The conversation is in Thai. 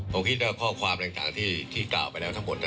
ผมคิดว่าข้อความที่กล่าวไปแล้วทั้งหมด